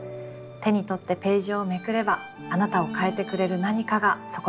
手に取ってページをめくればあなたを変えてくれる何かがそこにあるかもしれません。